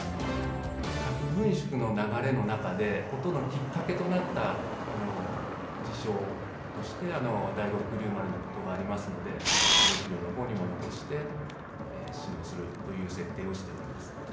核軍縮の流れの中で、事のきっかけとなった事象として、第五福竜丸のことがありますので、資料のほうにも残して、指導するという設定をしております。